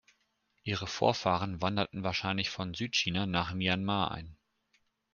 Ihre Vorfahren wanderten wahrscheinlich von Südchina nach Myanmar ein.